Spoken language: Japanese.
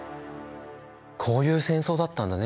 こういう戦争だったんだね